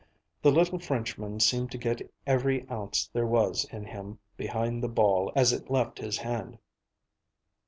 The little Frenchman seemed to get every ounce there was in him behind the ball as it left his hand.